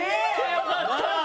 よかった！